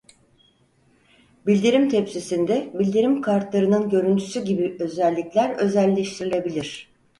Bildirim tepsisinde bildirim kartlarının görüntüsü gibi özellikler özelleştirilebilir.